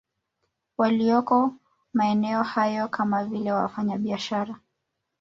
Walioko maeneo hayo kama vile wafanya biashara